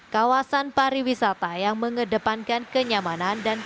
kawasan pariwisata yang mengedepankan kenyamanan dan keamanan